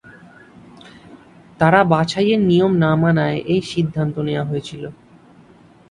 তারা বাছাইয়ের নিয়ম না মানায় এই সিদ্ধান্ত নেয়া হয়েছিল।